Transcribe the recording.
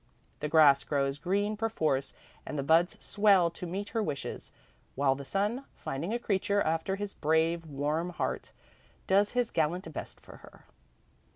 The grass grows green perforce and the buds swell to meet her wishes, while the sun, finding a creature after his brave, warm heart, does his gallant best for her.